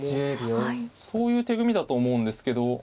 そういう手組だと思うんですけど。